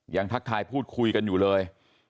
ทักทายพูดคุยกันอยู่เลย